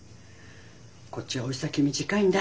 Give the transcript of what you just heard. こっちは老い先短いんだ。